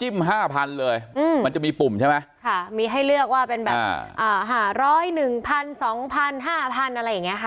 จิ้ม๕๐๐เลยมันจะมีปุ่มใช่ไหมมีให้เลือกว่าเป็นแบบ๕๐๑๐๐๒๐๐๕๐๐อะไรอย่างนี้ค่ะ